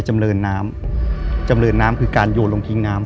จำเลือนน้ำคือการโยนลงทิ้งน้ำ